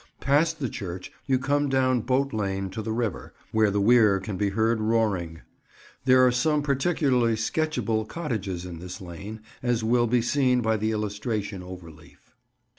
Past the church you come down Boat Lane to the river, where the weir can be heard roaring. There are some particularly sketchable cottages in this lane, as will be seen by the illustration over leaf.